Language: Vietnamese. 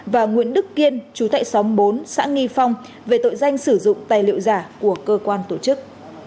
và nguyễn đức kiên chú tại xóm bốn xã nghi phong về tội danh sử dụng tài liệu giả của cơ quan tổ chức